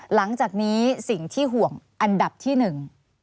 หลังจากนี้สิ่งที่ห่วงอันดับที่หนึ่ง